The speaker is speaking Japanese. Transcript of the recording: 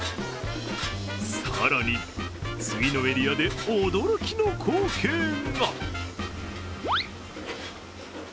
更に、次のエリアで驚きの光景が。